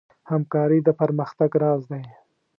همکاري د پرمختګ راز دی.